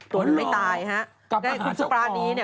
ตัวนั้นไม่ตายฮะ